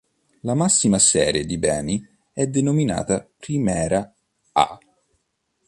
La massima serie di Beni è denominata Primera "A".